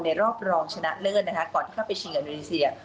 ในรอบรองชนะเลิศนะคะก่อนที่เข้าไปเชียงกับเวียดีเซีย